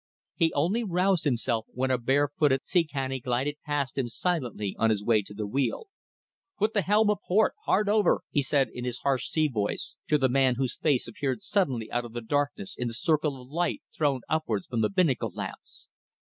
He only roused himself when a barefooted seacannie glided past him silently on his way to the wheel. "Put the helm aport! Hard over!" he said, in his harsh sea voice, to the man whose face appeared suddenly out of the darkness in the circle of light thrown upwards from the binnacle lamps.